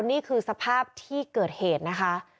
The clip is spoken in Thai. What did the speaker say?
นี่คือสภาพที่เกิดเหตุนะคะ